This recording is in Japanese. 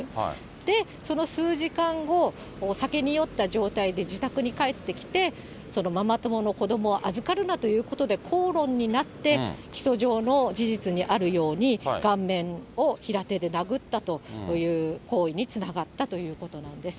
で、その数時間後、酒に酔った状態で自宅に帰ってきて、そのママ友の子どもを預かるなということで口論になって、起訴状の事実にあるように、顔面を平手で殴ったという行為につながったということなんです。